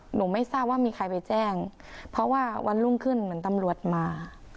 ไม่ทราบว่ามีใครไปแจ้งเพราะว่าวันรุ่งขึ้นเหมือนตำรวจมา